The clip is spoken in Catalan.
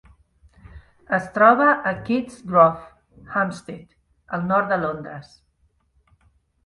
Es troba a Keats Grove, Hampstead, al nord de Londres.